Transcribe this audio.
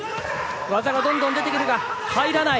技がどんどん出てくるが、入らない。